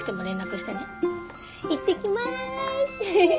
行ってきます。